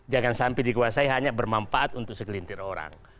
jangan sampai dikuasai hanya bermanfaat untuk segelintir orang